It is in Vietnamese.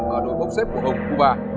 ở đôi công xếp của hùng cuba